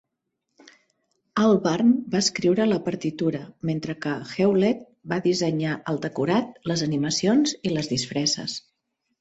Albarn va escriure la partitura mentre que Hewlett va dissenyar el decorat, les animacions i les disfresses.